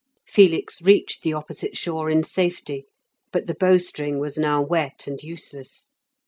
Felix reached the opposite shore in safety, but the bow string was now wet and useless.